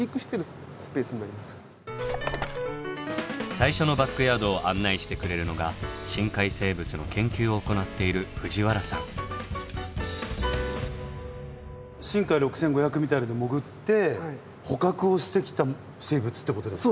最初のバックヤードを案内してくれるのが深海生物の研究を行っているしんかい６５００みたいなので潜って捕獲をしてきた生物ってことですか？